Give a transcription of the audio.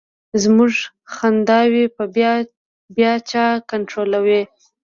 زمونږ خنداوې به بیا چا کنټرولولې.